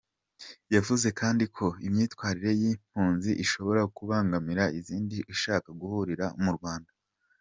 Yavuze kandi ko imyitwarire y’impunzi ishobora kubangamira izindi zishaka guhungira mu Rwanda.